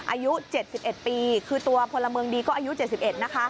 อายุ๗๑ปีคือตัวพลเมืองดีก็อายุ๗๑นะคะ